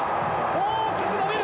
大きく伸びる！